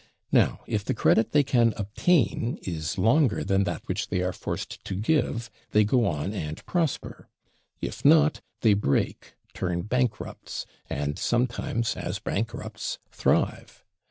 Now, if the credit they can obtain is longer than that which they are forced to give, they go on and prosper; if not, they break, turn bankrupts, and sometimes, as bankrupts, thrive.